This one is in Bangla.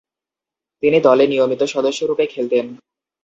তিনি দলে নিয়মিত সদস্যরূপে খেলতেন।